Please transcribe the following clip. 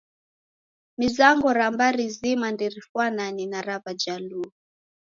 Mizango ra mbari zima nderifwanane na ra Wajaluo.